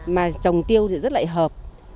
mà trồng tiêu thì rất là hợp